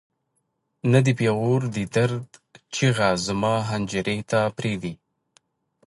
نه د پېغور د درد چیغه زما حنجرې ته پرېږدي.